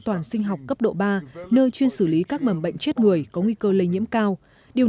toàn sinh học cấp độ ba nơi chuyên xử lý các mầm bệnh chết người có nguy cơ lây nhiễm cao điều